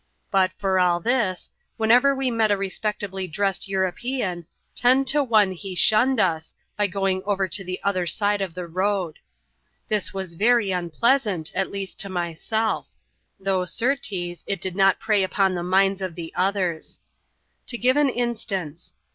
But, for all this, whenever we aet a respectably dressed European, ten to one he shunned us, >y going over to the other side of the road. This was very npleasant, at least to myself; though, certes, it did not f^ej pon the minds of the others. To give an instance.